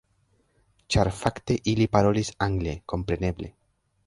Ĉar fakte ili parolis angle, kompreneble.